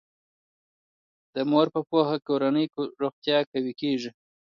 د مور په پوهه کورنی روغتیا قوي کیږي.